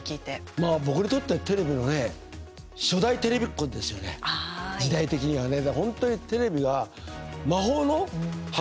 まあ、僕にとってはテレビのね初代テレビっ子ですよ時代的にはね。本当にテレビが魔法の箱